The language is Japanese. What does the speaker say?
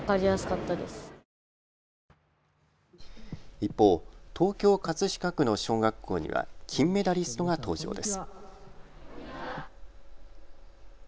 一方、東京葛飾区の小学校には金メダリストが登場です。